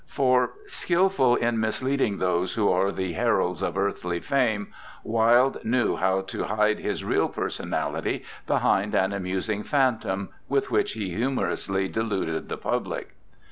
For, skilful in misleading those who are the heralds of earthly fame, Wilde knew how to hide his real personality behind an amusing phantom, with which he humorously deluded the public.